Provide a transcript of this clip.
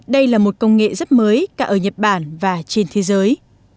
đây là một công nghệ rất mới cả ở nhật bản và trên thế giới